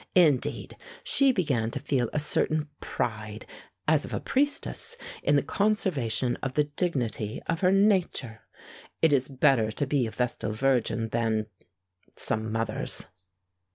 Indeed, she began to feel a certain pride, as of a priestess, in the conservation of the dignity of her nature. It is better to be a vestal virgin than some mothers.